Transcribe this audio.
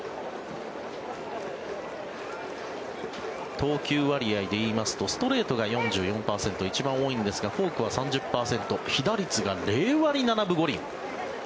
投球割合でいいますとストレートが４４％一番多いんですがフォークは３０％被打率が０割７分５厘。